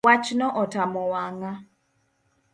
Wachno otamo wang’a